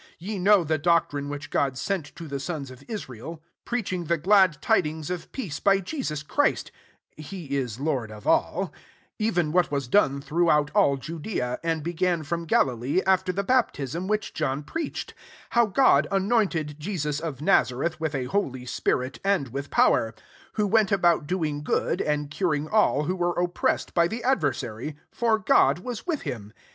36 Ye know the doctrine which God sent to the sons of Israel, preaching •19 218 ACTS XI. the glad tidings of peace by Je sus Christ; (he is Lord of all); 37 even what was done through out all Judea, and began from Galilee, after the baptism which John preached: 38 how God anointed Jesus of Nazareth with a holy spirit, and with power : who went about doing good, and curing all who were oppressed by the adversary ;* for God was with him.